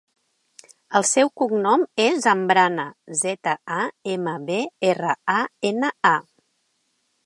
El seu cognom és Zambrana: zeta, a, ema, be, erra, a, ena, a.